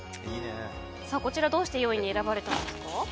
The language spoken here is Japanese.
こちらどうして４位に選ばれたんですか？